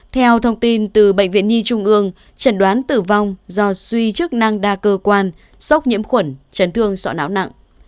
theo thông tin từ bệnh viện nhi trung ương trần đoán tử vong do suy chức năng đa cơ quan sốc nhiễm khuẩn chấn thương sọ não nặng